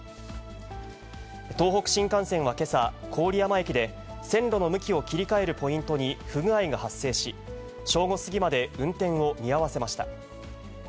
東北新幹線はけさ、郡山駅で、線路の向きを切り替えるポイントに不具合が発生し、正午過ぎまで運転を見合わせました。